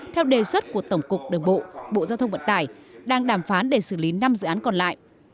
theo đề xuất của tổng cục đường bộ bộ giao thông vận tải đang đàm phán để xử lý năm dự án còn lại